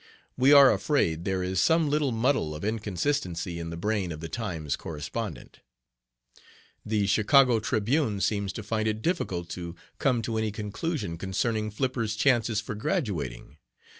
We are afraid there is some little muddle of inconsistency in the brain of the Times' correspondent. "The Chicago Tribune seems to find it difficult to come to any conclusion concerning Flipper's chances for graduating.